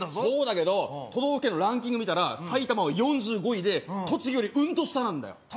そうだけど都道府県のランキング見たら埼玉は４５位で栃木よりうんと下なんだよ。